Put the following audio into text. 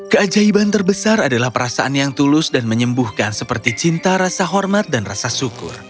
keajaiban terbesar adalah perasaan yang tulus dan menyembuhkan seperti cinta rasa hormat dan rasa syukur